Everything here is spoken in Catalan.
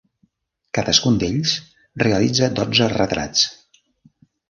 Cadascun d'ells realitza dotze retrats.